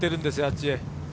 あっちへ。